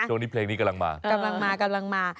ช่วงนี้เพลงนี้กำลังมา